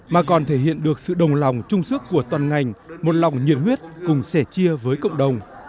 mà còn thể hiện được sự đồng lòng trung sức của toàn ngành một lòng nhiệt huyết cùng sẻ chia với cộng đồng